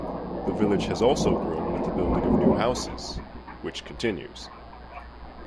The village has also grown with the building of new houses, which continues.